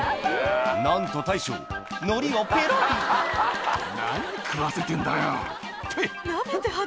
なんと大将のりをペロリ何を食わせてんだよペッ。